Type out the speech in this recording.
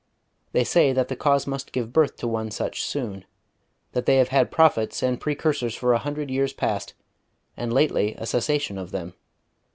They say that the cause must give birth to one such soon; that they have had prophets and precursors for a hundred years past, and lately a cessation of them.